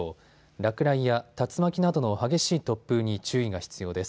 落雷や竜巻などの激しい突風に注意が必要です。